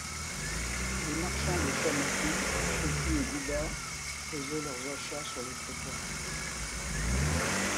Les marchands de Chamakhi, Cheki et Gouba faisaient leurs achats sur les trottoirs.